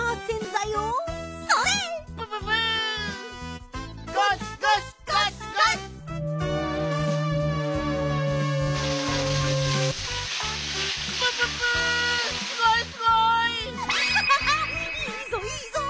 いいぞいいぞ！